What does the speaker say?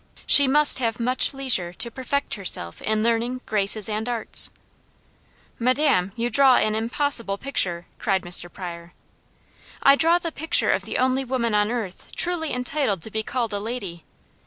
She must have much leisure to perfect herself in learning, graces and arts " "Madame, you draw an impossible picture!" cried Mr. Pryor. "I draw the picture of the only woman on earth truly entitled to be called a lady.